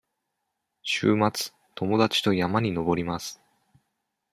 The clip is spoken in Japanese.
週末、友達と山に登ります。